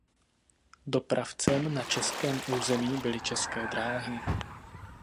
Dopravcem na českém území byly České dráhy.